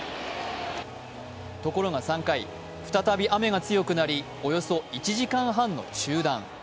ところが３回、再び雨が強くなり、およそ１時間半の中断。